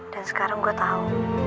dan sekarang gue tau